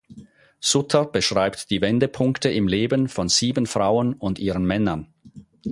Sutter beschreibt die Wendepunkte im Leben von sieben Frauen und ihren Männern.